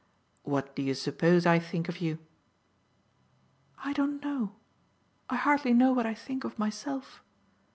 "What do you suppose I think of you?" "I don't know. I hardly know what I think of myself.